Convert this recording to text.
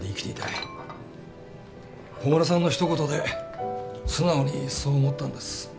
誉さんの一言で素直にそう思ったんです。